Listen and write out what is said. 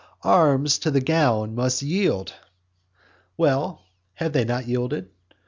"Arms to the gown must yield." Well, have they not yielded?